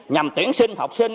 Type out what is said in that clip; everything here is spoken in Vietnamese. nhằm tuyển sinh học sinh